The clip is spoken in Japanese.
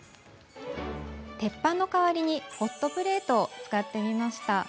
鉄板の代わりにホットプレートを使ってみました。